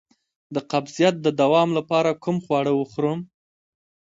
د قبضیت د دوام لپاره کوم خواړه وخورم؟